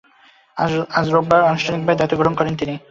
আজ রোববার আনুষ্ঠানিকভাবে দায়িত্ব গ্রহণ করেন তিনি।